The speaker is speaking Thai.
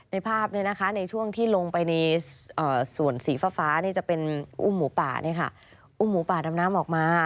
ในภาพในช่วงที่ลงไปในส่วนสีฟ้าจะเป็นอุ้มหมูป่าอุ้มหมูป่าดำน้ำออกมา